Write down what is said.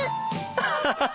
アッハハハ！